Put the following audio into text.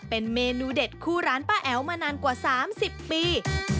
เป็นเมนูเด็ดคู่ร้านป้าแอ๋วมานานกว่า๓๐ปี